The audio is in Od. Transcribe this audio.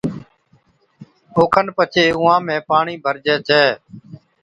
اوکن پڇي اُونھان ۾ پاڻِي ڀرجَي ڇَي